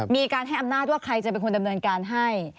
มีการให้อำนาจว่าใครจะเป็นคนดำเนินการให้